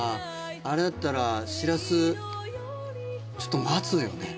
あれだったらしらすちょっと待つよね？